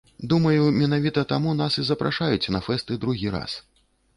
Думаю, менавіта таму нас і запрашаюць на фэсты другі раз.